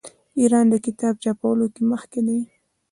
ایران د کتاب چاپولو کې مخکې دی.